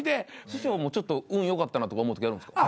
師匠もちょっと運よかったなとか思う時あるんですか。